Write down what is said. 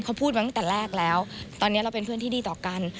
เขาพูดมาตั้งแต่แรกแล้วตอนนี้เราเป็นเพื่อนที่ดีต่อกัน